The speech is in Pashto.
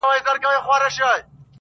افغانستان وم سره لمبه دي کړمه,